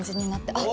あっ！